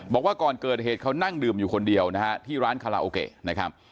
บอกว่าก่อนเกิดเหตุเขานั่งดื่มอยู่คนเดียวนะฮะที่ร้านคาราโอเกะนะครับ